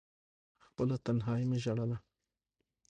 خپله تنهايي مې ژړله…